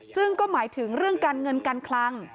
ซึ่งก็หมายถึงเรื่องการเงินการคลัง